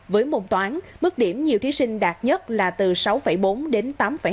với môn toán mức điểm nhiều thí sinh đạt nhất là từ sáu bốn đến tám hai điểm còn với môn ngữ văn là từ sáu đến bảy năm điểm